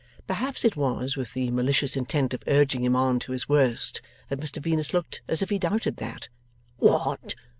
Perhaps it was with the malicious intent of urging him on to his worst that Mr Venus looked as if he doubted that. 'What?